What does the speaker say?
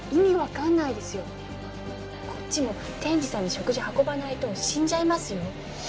こっちも天智さんに食事運ばないと死んじゃいますよ。